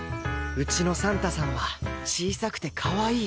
うちのサンタさんは小さくてかわいい